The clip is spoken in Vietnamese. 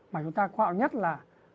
mà chúng ta khoạo nhất là